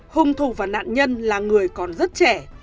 hùng thủ và nạn nhân là người còn rất trẻ